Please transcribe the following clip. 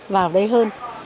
vào đây hơn